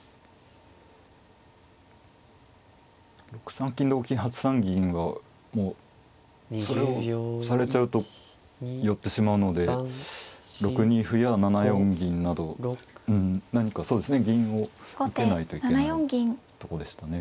６三金同金８三銀がもうそれをされちゃうと寄ってしまうので６二歩や７四銀などうん何かそうですね銀を受けないといけないとこでしたね。